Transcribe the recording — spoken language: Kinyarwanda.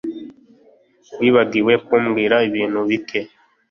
Wibagiwe kumbwira ibintu bike